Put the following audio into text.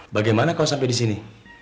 bagaimana kau sampai disini